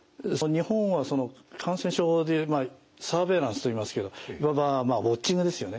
日本は感染症でサーベイランスと言いますけどいわばウォッチングですよね